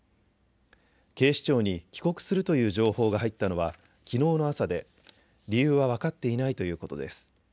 警視庁に帰国するという情報が入ったのはきのうの朝で理由は分かっていないということです。